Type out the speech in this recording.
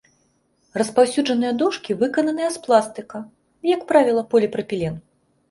Распаўсюджаныя дошкі выкананыя з пластыка, як правіла, поліпрапілен.